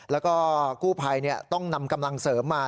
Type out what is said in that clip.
แล้วก็กู้ภัยต้องนำกำลังเสริมมา